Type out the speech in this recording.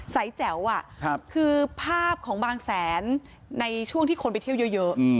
แจ๋วคือภาพของบางแสนในช่วงที่คนไปเที่ยวเยอะ